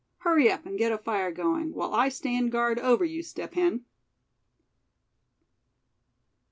Hurry up, and get a fire going, while I stand guard over you, Step Hen."